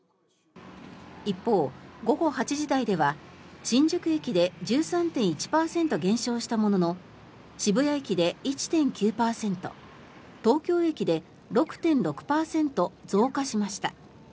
一方、午後８時台では新宿駅で１３．１％減少したものの渋谷駅で１．９％東京駅で６．６％増加しました。